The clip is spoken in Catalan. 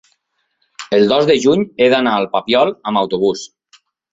el dos de juny he d'anar al Papiol amb autobús.